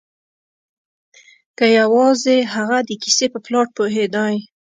که یوازې هغه د کیسې په پلاټ پوهیدای